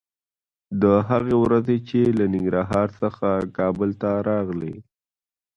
د هغې ورځې چې له ننګرهار څخه کابل ته راغلې